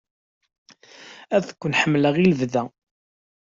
Ad ken-ḥemmleɣ i lebda!